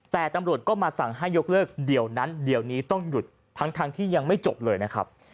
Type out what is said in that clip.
แต่ตำรวจก็มาสั่งให้ยกเลิกเดี๋ยวนั้นเดี๋ยวนี้ต้องหยุดทั้งที่ยังไม่จบเลยนะครับ